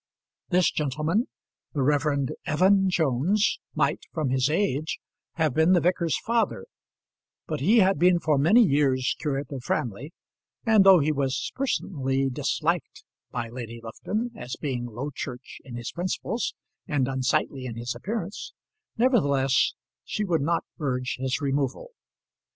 This gentleman, the Rev. Evan Jones, might, from his age, have been the vicar's father; but he had been for many years curate of Framley; and though he was personally disliked by Lady Lufton, as being Low Church in his principles, and unsightly in his appearance, nevertheless, she would not urge his removal.